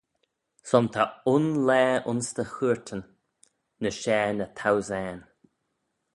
Son ta un laa ayns dty chooyrtyn: ny share na thousane.